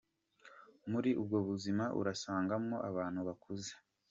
Muri ubwo buzima urasangamwo abantu bakuze.